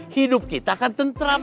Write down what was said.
hidup kita akan tentram